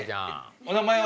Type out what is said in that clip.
お名前は？